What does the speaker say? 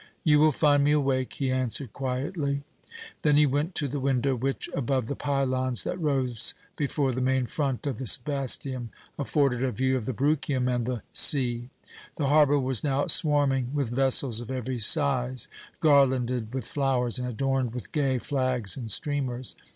"You will find me awake," he answered quietly. Then he went to the window which, above the pylons that rose before the main front of the Sebasteum, afforded a view of the Bruchium and the sea. The harbour was now swarming with vessels of every size, garlanded with flowers and adorned with gay flags and streamers.